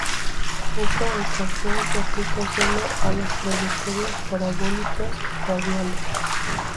Esta ecuación se aplica solo a las trayectorias parabólicas radiales.